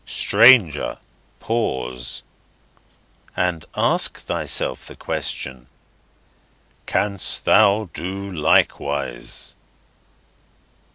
STRANGER, PAUSE And ask thyself the Question, CANST THOU DO LIKEWISE?